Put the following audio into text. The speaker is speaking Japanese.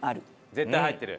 絶対入ってる。